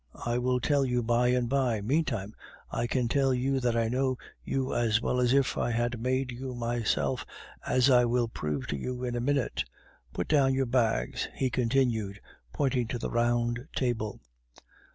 I will tell you by and by. Meantime, I can tell you that I know you as well as if I had made you myself, as I will prove to you in a minute. Put down your bags," he continued, pointing to the round table.